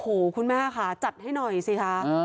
โอ้โหคุณแม่ค่ะจัดให้หน่อยสิคะ